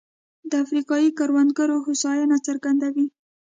د افریقايي کروندګرو هوساینه څرګندوي.